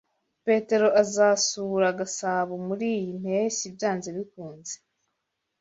Petero azasura Gasabo muriyi mpeshyi byanze bikunze.